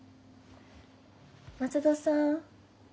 松戸さん？